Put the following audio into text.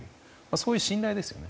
そういう信頼ですよね。